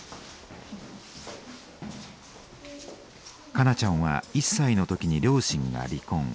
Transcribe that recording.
香菜ちゃんは１歳の時に両親が離婚。